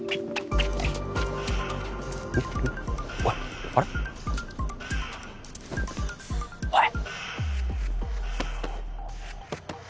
おいあれっ？おい！